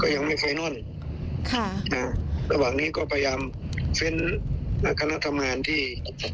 ก็ยังไม่ค่ะอ่าระหว่างนี้ก็พยายามเส้นนักคณะทำงานที่